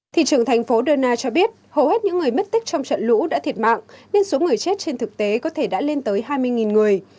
thị trường thành phố dona cho biết hầu hết những người mất tích trong trận lũ đã thiệt mạng nên số người chết trên thực tế có thể đã lên tới hai mươi người